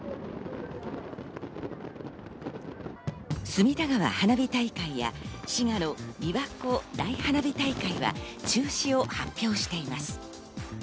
隅田川花火大会や滋賀のびわ湖大花火大会は中止を発表しています。